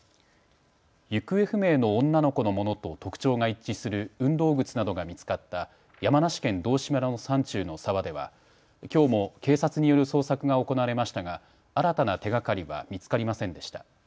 行方不明の女の子のものと特徴が一致する運動靴などが見つかった山梨県道志村の山中の沢ではきょうも警察による捜索が行われましたが新たな手がかりは見つかりませんでした。